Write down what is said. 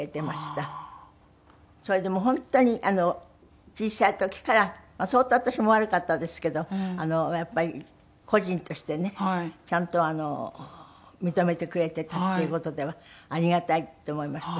それでもう本当に小さい時から相当私も悪かったですけどやっぱり個人としてねちゃんと認めてくれてたっていう事ではありがたいって思いました。